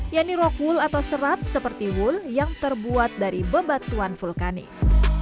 yaitu rock wool atau serat seperti wool yang terbuat dari bebatuan vulkanis